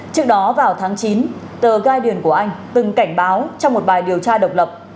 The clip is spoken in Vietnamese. trước đó vào tháng chín tờ guiden của anh từng cảnh báo trong một bài điều tra độc lập